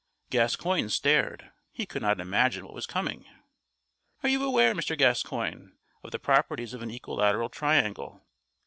Gascoigne stared; he could not imagine what was coming. "Are you aware, Mr. Gascoigne, of the properties of an equilateral triangle?"